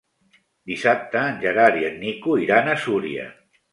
Dissabte en Gerard i en Nico iran a Súria.